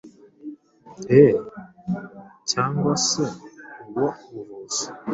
e cyangwa se ubwo buvuzi.